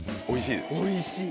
おいしい？